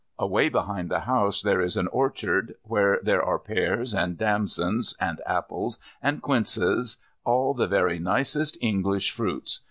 Away behind the house there is an orchard, where there are pears and damsons and apples and quinces, all the very nicest English fruits.